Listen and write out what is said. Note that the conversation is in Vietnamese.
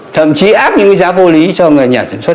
thậm chí áp những giá vô lý cho người nhà sản xuất